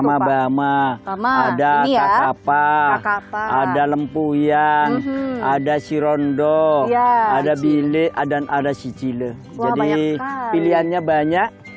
mama mama ada kakak ada lempu yang ada sirondo ada bilik dan ada sicile jadi pilihannya banyak